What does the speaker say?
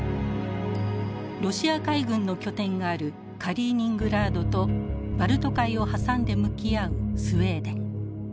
ロシア海軍の拠点があるカリーニングラードとバルト海を挟んで向き合うスウェーデン。